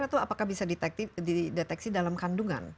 atau apakah bisa dideteksi dalam kandungan